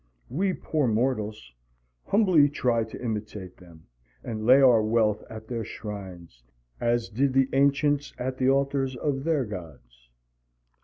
We, poor mortals, humbly try to imitate them, and lay our wealth at their shrines, as did the Ancients at the altars of their gods.